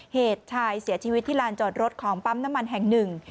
เหตุชายเสียชีวิตที่ลานจอดรถของปั๊มน้ำมันแห่งหนึ่ง